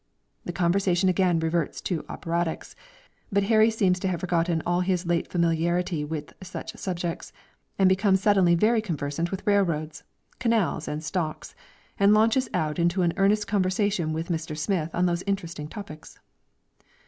The conversation again reverts to operatics, but Harry seems to have forgotten all his late familiarity with such subjects, and becomes suddenly very conversant with rail roads, canals and stocks, and launches out into an earnest conversation with Mr. Smith on those interesting topics.